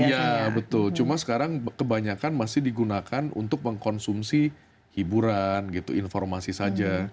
iya betul cuma sekarang kebanyakan masih digunakan untuk mengkonsumsi hiburan gitu informasi saja